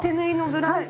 ブラウス。